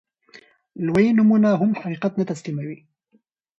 لوی نومونه هم حقيقت نه تسليموي.